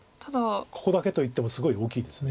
ここだけと言ってもすごい大きいです。